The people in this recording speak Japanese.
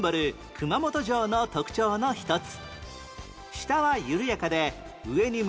熊本城の特徴の一つ